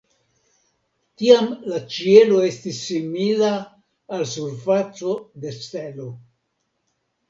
Tiam la ĉielo estis simila al surfaco de stelo.